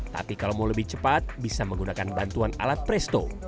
tapi kalau mau lebih cepat bisa menggunakan bantuan alat presto